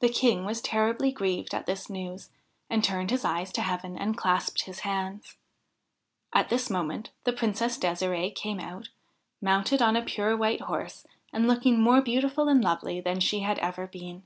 The King was terribly grieved at this news, and turned his eyes to heaven and clasped his hands. At this moment the Princess De'sirde came out, mounted on a pure white horse and looking more beautiful and lovely than she had ever been.